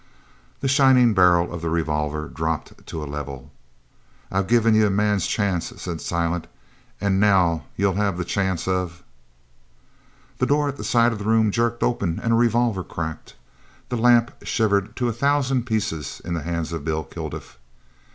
The shining barrel of the revolver dropped to a level. "I've given you a man's chance," said Silent, "an' now you'll have the chance of " The door at the side of the room jerked open and a revolver cracked. The lamp shivered to a thousand pieces in the hands of Bill Kilduff.